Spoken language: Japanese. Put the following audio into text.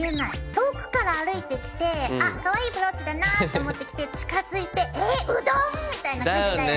遠くから歩いてきて「あっかわいいブローチだなぁ」。って思ってきて近づいて「えっ⁉うどん？」みたいな感じだよね。